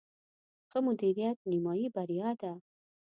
ښه مدیریت، نیمایي بریا ده